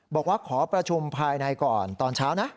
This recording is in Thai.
บอกว่าขอประชุมภายในก่อนตอนเช้านะ